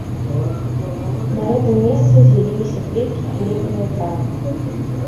На гэтым месцы з'явіліся кветкі і лекавыя травы.